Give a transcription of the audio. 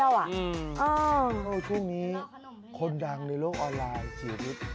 เฮ่ยตอนนี้คนดังในโลกออนไลน์เสียบีบ